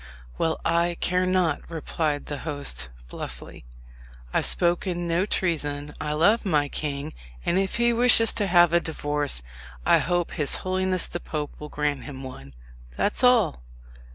"Well, I care not," replied the host bluffly. "I've spoken no treason. I love my king; and if he wishes to have a divorce, I hope his holiness the Pope will grant him one, that's all."